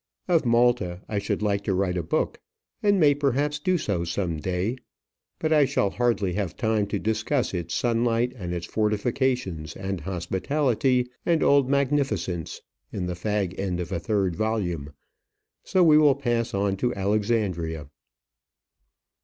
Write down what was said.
Of Malta, I should like to write a book, and may perhaps do so some day; but I shall hardly have time to discuss its sunlight, and fortifications, and hospitality, and old magnificence, in the fag end of a third volume; so we will pass on to Alexandria.